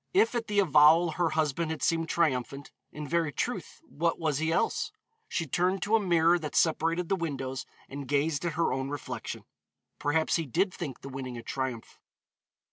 If at the avowal her husband had seemed triumphant, in very truth what was he else? She turned to a mirror that separated the windows and gazed at her own reflection. Perhaps he did think the winning a triumph.